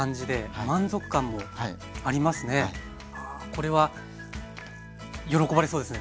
これは喜ばれそうですね